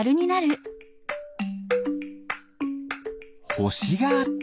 ほしがあった。